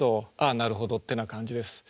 あなるほどっていうような感じです。